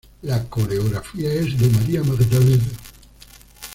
La coreografía es de Maria Magdalena.